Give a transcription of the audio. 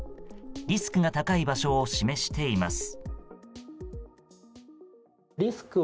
リスクが高い場所を示しています。